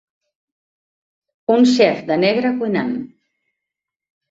Un xef de negre cuinant.